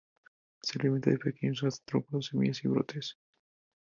Se alimenta de pequeños artrópodos, semillas y brotes.